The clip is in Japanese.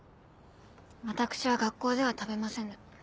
私は学校では食べませぬ。